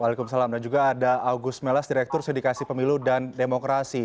waalaikumsalam dan juga ada agus melas direktur sidikasi pemilu dan demokrasi